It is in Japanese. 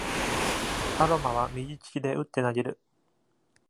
アロマは、右利きで打って投げる。